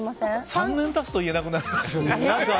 ３年経つと言えなくなりますよね。